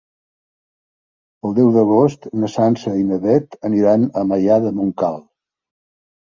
El deu d'agost na Sança i na Beth aniran a Maià de Montcal.